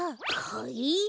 はい？